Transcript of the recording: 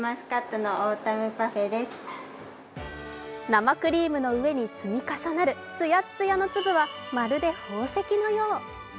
生クリームの上に積み重なるつやつやの粒はまるで宝石のよう。